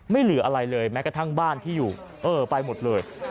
ไม่เหลืออะไรเลยแม้ค่อนข้างบ้านที่อยู่เออไปหมดเลย